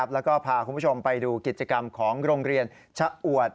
แล้วก็พาคุณผู้ชมไปดูกิจกรรมของโรงเรียนชะอวด